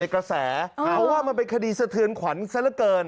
กระแสเพราะว่ามันเป็นคดีสะเทือนขวัญซะละเกิน